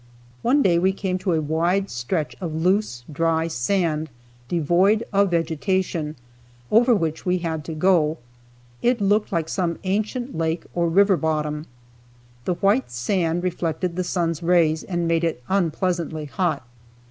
One day we came to a wide stretch of loose dry sand, devoid of vegetation, over which we had to go. It looked like some ancient lake or river bottom. The white sand reflected the sun's rays and made it unpleasantly hot.